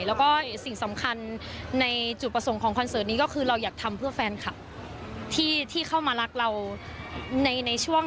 แล้วก็สิ่งสำคัญในจุดประสงค์ของคอนเสิร์ตนี้ก็คือเราอยากทำเพื่อแฟนคลับที่เข้ามารักเราในช่วง